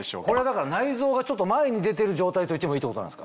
これはだから内臓がちょっと前に出てる状態と言ってもいいってこと？